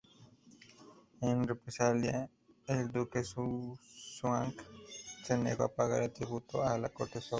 En represalia, el duque Zhuang se negó a pagar tributo a la corte Zhou.